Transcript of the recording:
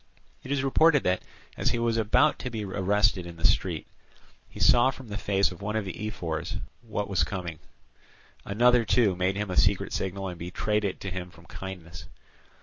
It is reported that, as he was about to be arrested in the street, he saw from the face of one of the ephors what he was coming for; another, too, made him a secret signal, and betrayed it to him from kindness.